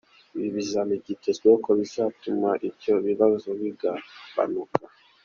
Ibi bizamini byitezweho ko bizatuma ibyo bibazo bigabanuka.